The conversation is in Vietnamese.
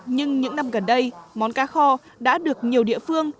nhưng những năm gần đây món cá kho đã được nhiều địa phương